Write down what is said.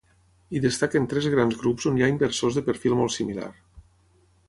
Hi destaquen tres grans grups on hi ha inversors de perfil molt similar.